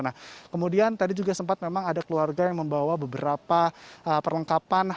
nah kemudian tadi juga sempat memang ada keluarga yang membawa beberapa perlengkapan